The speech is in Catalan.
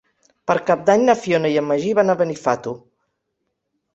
Per Cap d'Any na Fiona i en Magí van a Benifato.